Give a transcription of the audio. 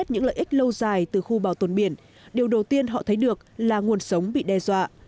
những lợi ích lâu dài từ khu bảo tồn biển điều đầu tiên họ thấy được là nguồn sống bị đe dọa